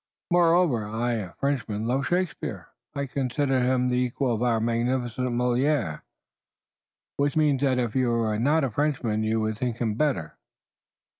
Moreover I, a Frenchman, love Shakespeare. I consider him the equal of our magnificent Molière." "Which means that if you were not a Frenchman you would think him better."